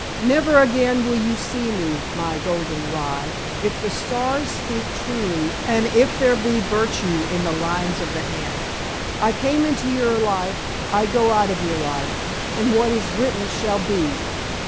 "Never again will you see me, my golden rye, if the stars speak truly, and if there be virtue in the lines of the hand. I came into your life: I go out of your life: and what is written shall be!"